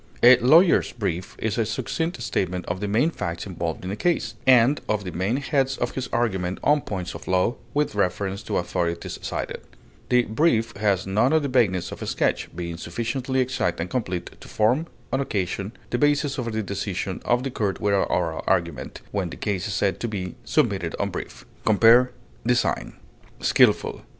A lawyer's brief is a succinct statement of the main facts involved in a case, and of the main heads of his argument on points of law, with reference to authorities cited; the brief has none of the vagueness of a sketch, being sufficiently exact and complete to form, on occasion, the basis for the decision of the court without oral argument, when the case is said to be "submitted on brief." Compare DESIGN. SKILFUL.